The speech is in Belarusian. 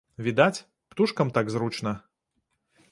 Відаць, птушкам так зручна.